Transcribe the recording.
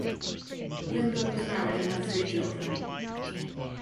Blomberg was married and had three children.